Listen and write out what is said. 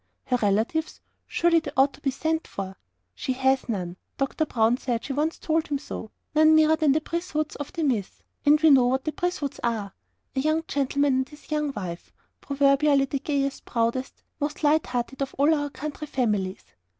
"Her relatives surely they ought to be sent for?" "She has none. Doctor Brown said she once told him so: none nearer than the Brithwoods of the Mythe and we know what the Brithwoods are." A young gentleman and his young wife proverbially the gayest, proudest, most light hearted of all our country families.